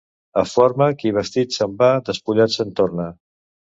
A Forna, qui vestit se'n va, despullat se'n torna.